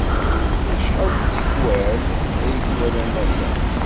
Acḥal n tikkal ay twalam aya?